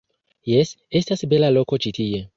Jes, estas bela loko ĉi tie.